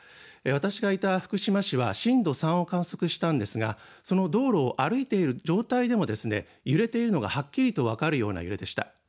私がいた福島市は震度３を観測したんですがその道路を歩いている状態でも揺れているのがはっきりと分かるような揺れでした。